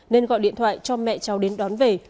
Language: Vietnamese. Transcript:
nên gọi điện thoại cho mẹ cháu đến đón về